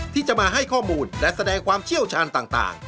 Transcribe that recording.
ที่จะมาให้ข้อมูลและแสดงความเชี่ยวชาญต่าง